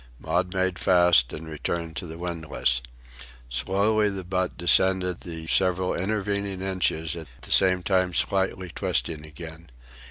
Maud made fast and returned to the windlass. Slowly the butt descended the several intervening inches, at the same time slightly twisting again.